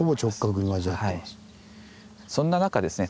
そんな中ですね